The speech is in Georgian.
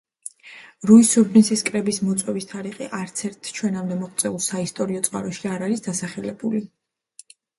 რუის-ურბნისის კრების მოწვევის თარიღი არც ერთ ჩვენამდე მოღწეულ საისტორიო წყაროში არ არის დასახლებული.